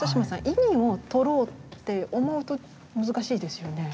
意味をとろうって思うと難しいですよね。